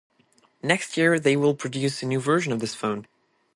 Next year they will produce a new version of this phone.